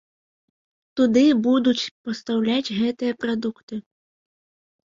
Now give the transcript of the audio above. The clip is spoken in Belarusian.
Туды будуць пастаўляць гэтыя прадукты.